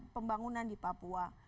pembangunan di papua